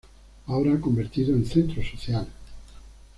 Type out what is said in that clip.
Ahora convertido en Centro Social.